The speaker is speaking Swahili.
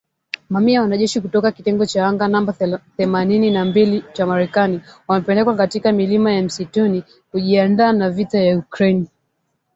Mamia ya wanajeshi kutoka kitengo cha anga namba themanini na mbili cha Marekani wamepelekwa katika milima ya msituni kujiandaa na vita ya Ukraine